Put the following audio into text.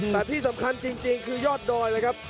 แต่ที่สำคัญจริงคือยอดดอยเลยครับ